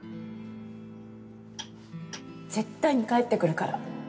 絶対に帰ってくるから。